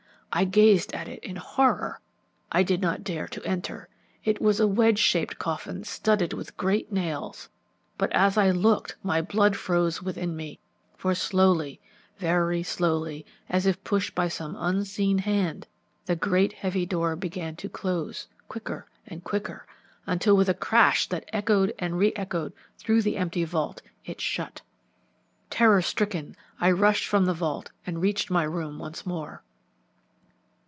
I gazed at it in horror. I did not dare to enter. It was a wedged shaped coffin studded with great nails. But as I looked my blood froze within me, for slowly, very slowly, as if pushed by some unseen hand, the great heavy door began to close, quicker and quicker, until with a crash that echoed and re echoed through the empty vault, it shut. "Terror stricken, I rushed from the vault and reached my room once more.